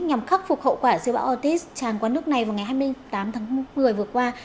nhằm khắc phục hậu quả siêu bão ortis tràn qua nước này vào ngày hai mươi tám tháng một mươi vừa qua